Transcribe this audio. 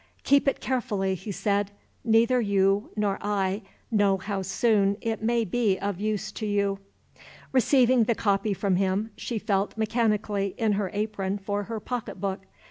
"Keep it carefully," he said. "Neither you nor I know how soon it may be of use to you." Receiving the copy from him, she felt mechanically in her apron for her pocketbook.